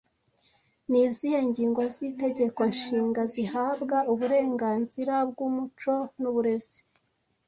Ni izihe ngingo z’Itegeko Nshinga zihabwa uburenganzira bw’umuco n’uburezi